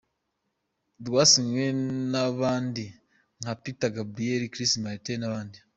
Rwasinywe n'abandi nka Peter Gabriel, Chris Martin, n'abandi.